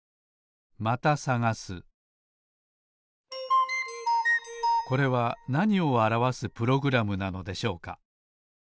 またさがすこれはなにをあらわすプログラムなのでしょうか？